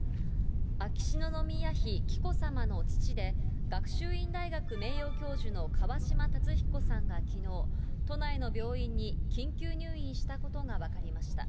秋篠宮妃、紀子さまの父で、学習院大学名誉教授の川嶋辰彦さんがきのう、都内の病院に緊急入院したことが分かりました。